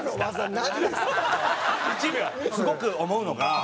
すごく思うのが。